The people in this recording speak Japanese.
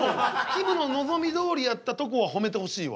きむの望みどおりやったとこはほめてほしいわ。